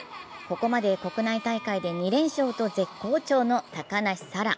ここまで国内大会で２連勝と絶好調の高梨沙羅。